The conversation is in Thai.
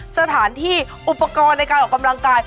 สถานที่อุปกรณ์ในการออกกำลังกาย